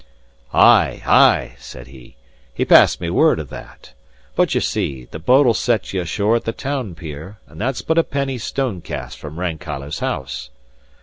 "Ay, ay," said he, "he passed me word of that. But, ye see, the boat'll set ye ashore at the town pier, and that's but a penny stonecast from Rankeillor's house."